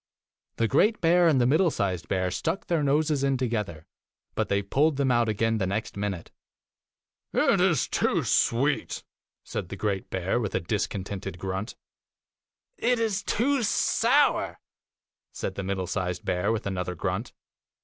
The great bear and the middle sized bear stuck their noses in together, but they pulled them out again the next minute. 9 'It is too sweet,' said the great bear, with a discontented grunt. 'It is too sour,' said the middle sized bear, with another grunt.